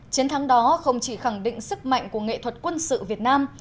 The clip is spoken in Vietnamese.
chiến thắng đó không chỉ khẳng định sức mạnh của nghệ thuật quân sự việt nam